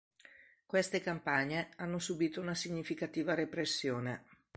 Queste campagne hanno subito una significativa repressione.